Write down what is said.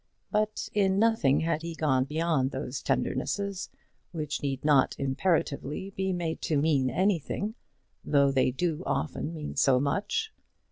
But in nothing had he gone beyond those tendernesses, which need not imperatively be made to mean anything, though they do often mean so much.